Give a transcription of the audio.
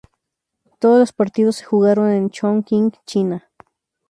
Todos los partidos se jugaron en Chongqing, China.